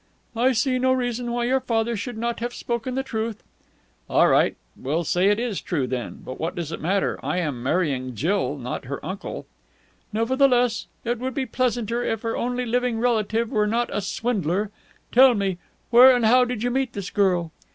"I see no reason why your father should not have spoken the truth." "All right. We'll say it is true, then. But what does it matter? I am marrying Jill, not her uncle." "Nevertheless, it would be pleasanter if her only living relative were not a swindler!... Tell me, where and how did you meet this girl?"